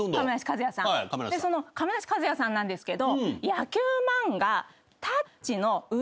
亀梨和也さんなんですけど。